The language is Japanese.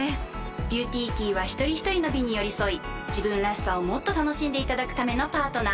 「ＢｅａｕｔｙＫｅｙ」は一人ひとりの美に寄り添い自分らしさをもっと楽しんでいただくためのパートナー。